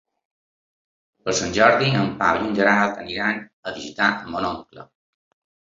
Per Sant Jordi en Pau i en Gerard aniran a visitar mon oncle.